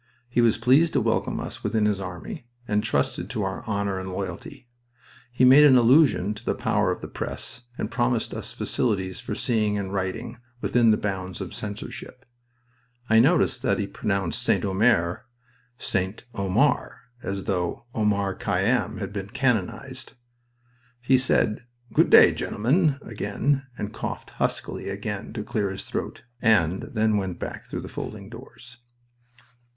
He was pleased to welcome us within his army, and trusted to our honor and loyalty. He made an allusion to the power of the press, and promised us facilities for seeing and writing, within the bounds of censorship. I noticed that he pronounced St. Omer, St. Omar, as though Omar Khayyam had been canonized. He said, "Good day, gentlemen," again, and coughed huskily again to clear his throat, and then went back through the folding doors.